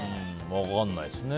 分かんないですね。